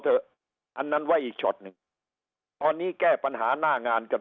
อันนั้นไว้อีกช็อตหนึ่งตอนนี้แก้ปัญหาหน้างานกับ